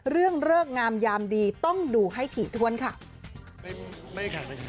เรื่องเรือกงามยามดีต้องดูให้ถี่ท้วนค่ะ